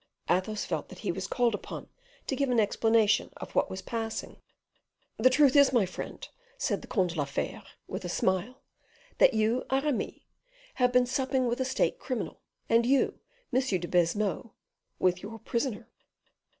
Athos felt that he was called upon to give an explanation of what was passing. "The truth is, my friend," said the Comte de la Fere, with a smile, "that you, Aramis, have been supping with a state criminal, and you, Monsieur de Baisemeaux, with your prisoner."